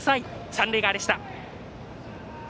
三塁側でした。